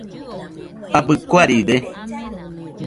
¿Abɨ kuaride.?